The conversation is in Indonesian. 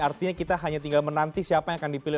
artinya kita hanya tinggal menanti siapa yang akan dipilih